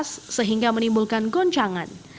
sehingga menimbulkan goncangan